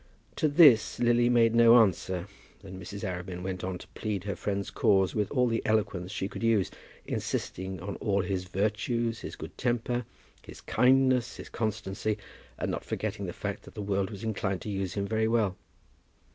To this Lily made no answer, and Mrs. Arabin went on to plead her friend's cause with all the eloquence she could use, insisting on all his virtues, his good temper, his kindness, his constancy, and not forgetting the fact that the world was inclined to use him very well.